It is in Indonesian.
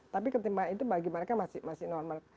tapi ketimbang itu bagi mereka masih normal